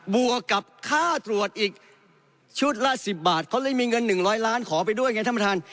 วกกับค่าตรวจอีกชุดละ๑๐บาทเขาเลยมีเงิน๑๐๐ล้านขอไปด้วยไงท่านประธาน